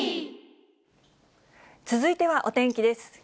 続いてはお天気です。